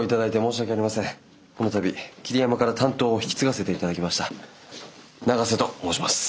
この度桐山から担当を引き継がせていただきました永瀬と申します。